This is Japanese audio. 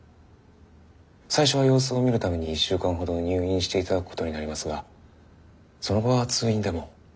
最初は様子を見るために１週間ほど入院していただくことになりますがその後は通院でも。